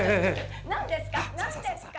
何ですか？